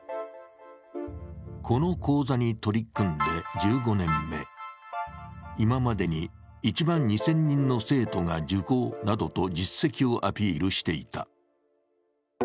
「この講座に取り組んで１５年目」「今までに１万２０００人の生徒が受講」などと実績をアピールしていた。